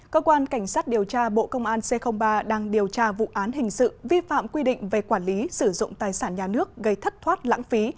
cơ quan cảnh sát điều tra bộ công an c ba đang điều tra vụ án hình sự vi phạm quy định về quản lý sử dụng tài sản nhà nước gây thất thoát lãng phí